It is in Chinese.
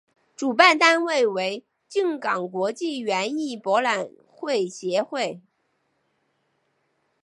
主办单位为静冈国际园艺博览会协会。